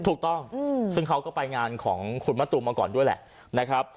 ถูกต้องซึ่งเขาก็ไปงานของคุณมะตูมมาก่อนด้วยแหละนะครับ